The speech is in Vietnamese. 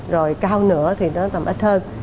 rồi cao nữa thì nó tầm ít hơn